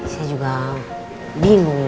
saya juga bingung bu